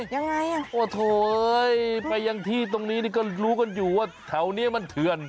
ยังไงโอ้โธ่เอ้ยไปยังที่ตรงนี้ก็รู้กันอยู่ว่าแถวนี้มันเถือน